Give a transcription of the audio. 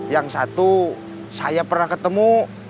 yang satu saya pernah ketemu